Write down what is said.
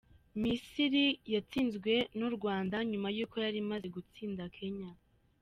Misiri yatsinzwe n’u Rwanda nyuma y'uko yari imaze gutsinda Kenya..